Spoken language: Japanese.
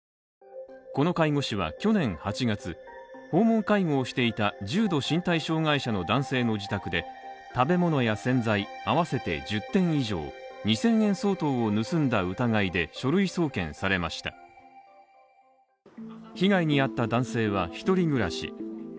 この介護士は去年８月、訪問介護をしていた重度身体障害者の男性の自宅で食べ物や洗剤合わせて１０点以上２０００円相当を盗んだ疑いで書類送検されました被害に遭った男性は１人暮らし。